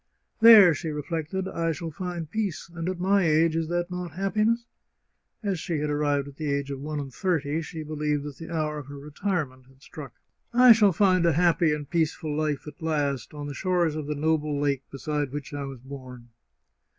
" There," she reflected, " I shall find peace ; and at my age, is that not happiness ? (As she had arrived at the age of one and thirty, she believed that the hour of her retirement had struck.) " I shall find a 22 The Chartreuse of Parma happy and peaceful life at last, on the shores of the noble lake beside which I was born."